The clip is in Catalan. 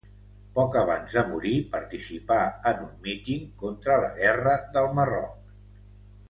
Poc abans de morir participà en un míting contra la guerra del Marroc.